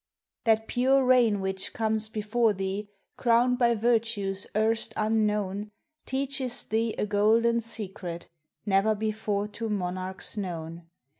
That pure reign which comes before thee, Crowned by virtues erst unknown, Teaches thee a golden secret Ne'er before to monarchs known.